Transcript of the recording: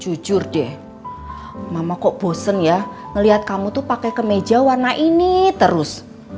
jujur deh mama kok bosen ya ngeliat kamu tuh pakai kemeja warna ini terus